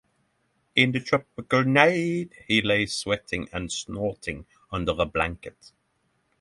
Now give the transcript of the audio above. In the tropical night he lay sweating and snorting under a blanket.